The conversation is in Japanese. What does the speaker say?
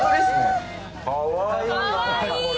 かわいい、これ。